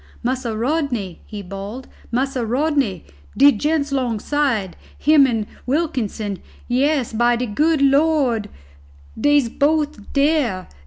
"Massa Rodney," he bawled, "Massa Rodney, de gent's 'longside him an' Wilkinson yaas, by de good Lord dey'se both dere!